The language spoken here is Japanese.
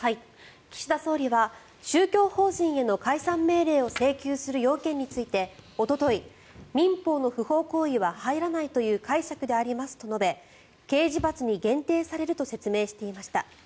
岸田総理は宗教法人への解散命令を請求する要件について、おととい民法の不法行為は入らないという解釈でありますと述べ刑事罰に限定されると説明していました。